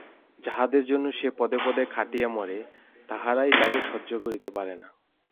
যাহাদের জন্য সে পদে পদে খাটিয়া মরে তাহারাই তাহাকে সহ্য করিতে পারে না।